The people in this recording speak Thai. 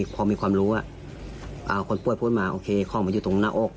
พอมีความรู้คนป่วยพูดมาโอเคของมันอยู่ตรงหน้าอก